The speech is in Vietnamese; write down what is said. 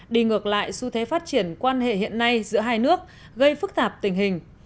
đi ngược lại xu thế phát triển quan hệ hiện nay giữa hai nước gây phức tạp tình hình